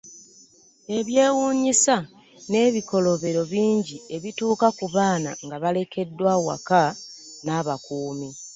Eby'ewuunyisa n'ebikolobero bingi ebituuka ku baaana nga balekeddwa awaka n'abakuumi.